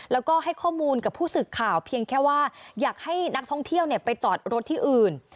แล้วก็ให้ข้อมูลกับผู้สื่อข่าวเพียงแค่ว่าอยากให้นักท่องเที่ยวไปจอดรถที่อื่น